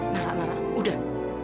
nara nara udah